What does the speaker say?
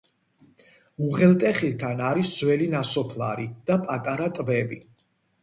უღელტეხილთან არის ძველი ნასოფლარი და პატარა ტბები.